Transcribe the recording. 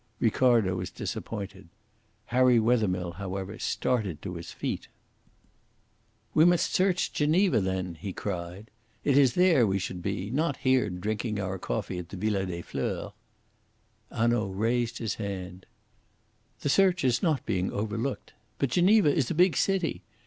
Ricardo was disappointed. Harry Wethermill, however, started to his feet. "We must search Geneva, then," he cried. "It is there that we should be, not here drinking our coffee at the Villa des Fleurs." Hanaud raised his hand. "The search is not being overlooked. But Geneva is a big city.